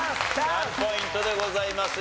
３ポイントでございますが。